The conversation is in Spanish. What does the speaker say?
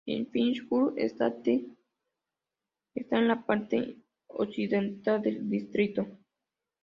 El Finsbury Estate está en la parte occidental del distrito.